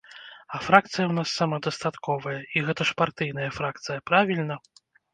А фракцыя ў нас самадастатковая, і гэта ж партыйная фракцыя, правільна?